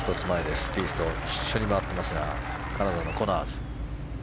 スピースと一緒に回っていますがカナダのコナーズ。